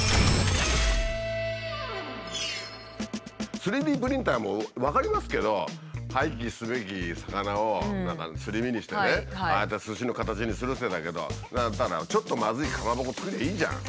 ３Ｄプリンターも分かりますけど廃棄すべき魚を何かすり身にしてねああやってすしの形にするって言ってたけどちょっとまずいかまぼこ作りゃいいじゃん。